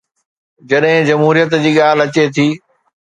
جڏهن جمهوريت جي ڳالهه اچي ٿي.